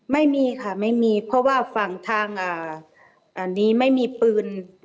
ไม่มีค่ะไม่มีเพราะว่าฝั่งทางอันนี้ไม่มีปืน